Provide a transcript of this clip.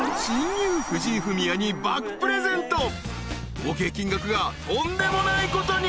［合計金額がとんでもないことに］